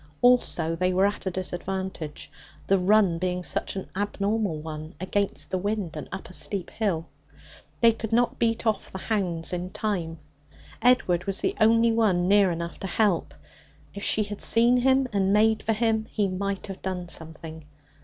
Also, they were at a disadvantage, the run being such an abnormal one against the wind and up a steep hill. They could not beat off the hounds in time. Edward was the only one near enough to help. If she had seen him and made for him, he might have done something.